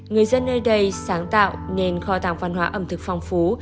người dân nơi đây sáng tạo nên kho tàng văn hóa ẩm thực phong phú